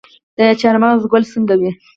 د چهارمغز ګل څنګه وي؟